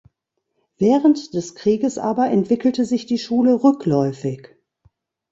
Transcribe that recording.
Während des Krieges aber entwickelte sich die Schule rückläufig.